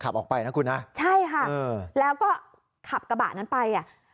ออกไปนะคุณฮะใช่ค่ะแล้วก็ขับกระบะนั้นไปอ่ะ